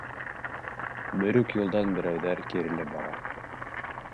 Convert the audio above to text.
Бер үк юлдан берәүҙәр кирелеп бара